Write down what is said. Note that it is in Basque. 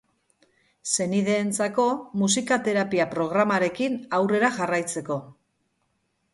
Senideentzako musika-terapia programarekin aurrera jarraitzeko.